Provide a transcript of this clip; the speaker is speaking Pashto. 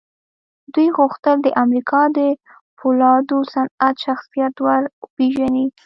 دوی غوښتل د امريکا د پولادو صنعت شخصيت ور وپېژني.